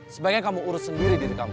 sebaiknya kamu urus sendiri diri kamu